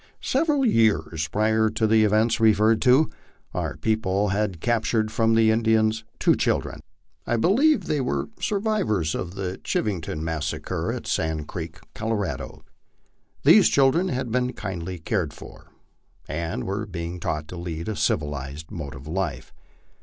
Several years prior to the events referred to, our people had captured from the Indians two children. I believe they were survivors of the Chivingtov massacre at Sand Creek, Colorado. These children had been kindly cared fou and were being taught to lead a civilized mode of life.